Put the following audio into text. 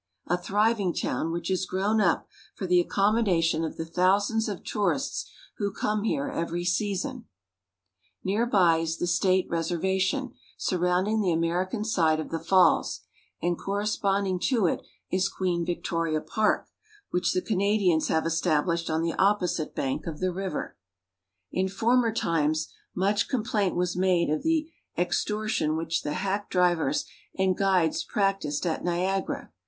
a thriving town which has grown up for the accommoda tion of the thousands of tourists who come here every sea son Near by is the State Reservation, surrounding the American side of the falls, and corresponding to it is Queen Victoria Park, which the Canadians have established on the opposite bank of the river. In former times much complaint was made of the extor tion which the hack drivers and guides practiced at Niagara.